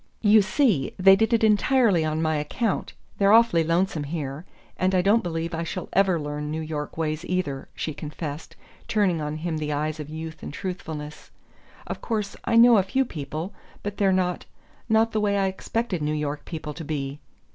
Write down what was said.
"You see, they did it entirely on my account; they're awfully lonesome here; and I don't believe I shall ever learn New York ways either," she confessed, turning on him the eyes of youth and truthfulness. "Of course I know a few people; but they're not not the way I expected New York people to be."